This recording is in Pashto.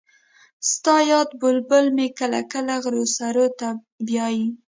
ستا یاد بلبل مې کله کله غرو سرو ته بیايي